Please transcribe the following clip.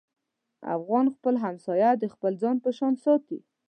افغان خپل همسایه د خپل ځان په شان ساتي.